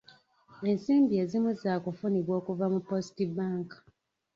Ensimbi ezimu zaakufunibwa okuva mu Post Bank.